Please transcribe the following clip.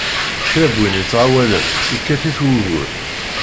Kra n win ittɣawalen, yekkat-it wugur.